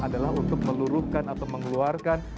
adalah untuk meluruhkan atau mengeluarkan